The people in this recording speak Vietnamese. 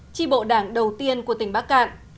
tri bộ đảng đầu tiên của tỉnh bắc cạn